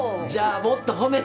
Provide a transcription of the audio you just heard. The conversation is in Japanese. もっと褒めて